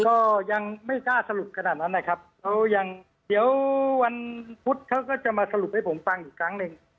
ก็ยังไม่กล้าสรุปขนาดนั้นนะครับเขายังเดี๋ยววันพุธเขาก็จะมาสรุปให้ผมฟังอีกครั้งหนึ่ง